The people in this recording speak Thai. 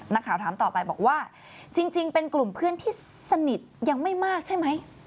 นักข่าวถามต่อไปบอกว่าจริงเป็นกลุ่มเพื่อนที่สนิทยังไม่มากใช่ไหม